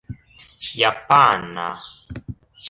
japana